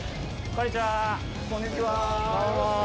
こんにちは。